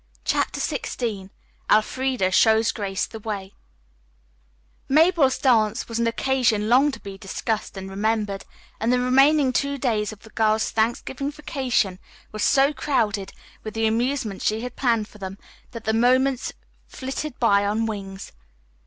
CHAPTER XVI ELFREDA SHOWS GRACE THE WAY Mabel's dance was an occasion long to be discussed and remembered, and the remaining two days of the girls' Thanksgiving vacation were so crowded with the amusements she had planned for them that the moments flitted by on wings.